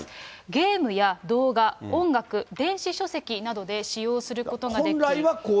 ゲームや動画、音楽、電子書籍などで使用することができ。